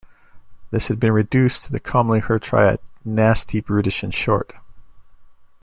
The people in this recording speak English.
This has been reduced to the commonly heard triad "nasty, brutish and short".